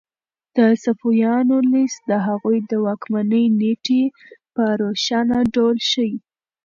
د صفویانو لیست د هغوی د واکمنۍ نېټې په روښانه ډول ښيي.